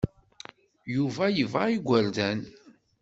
Yuba yebɣa igerdan.